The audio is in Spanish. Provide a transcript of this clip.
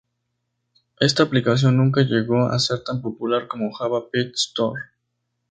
Esta aplicación nunca llegó a ser tan popular como Java Pet Store.